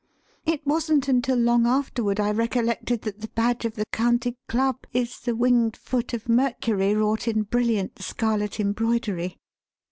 It wasn't until long afterward I recollected that the badge of the County Club is the winged foot of Mercury wrought in brilliant scarlet embroidery.